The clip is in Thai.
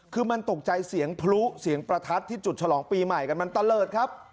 คือมันตกใจเสียงพลุเสียงประทัดที่จุดฉลองปีใหม่กันมันตะเลิศครับ